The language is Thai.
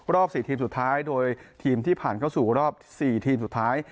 ๔ทีมสุดท้ายโดยทีมที่ผ่านเข้าสู่รอบ๔ทีมสุดท้าย